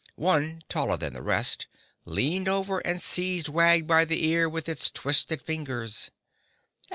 One taller than the rest leaned over and seized Wag by the ear with its twisted fingers.